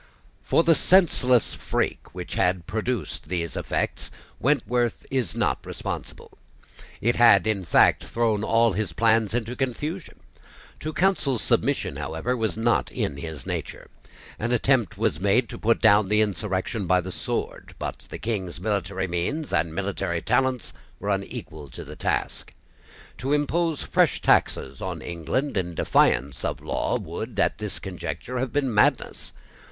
For the senseless freak which had produced these effects Wentworth is not responsible. It had, in fact, thrown all his plans into confusion. To counsel submission, however, was not in his nature. An attempt was made to put down the insurrection by the sword: but the King's military means and military talents were unequal to the task. To impose fresh taxes on England in defiance of law, would, at this conjuncture, have been madness.